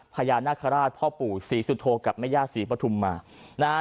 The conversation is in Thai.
พญานาคาราชพ่อปู่ศรีสุโธกับแม่ย่าศรีปฐุมมานะฮะ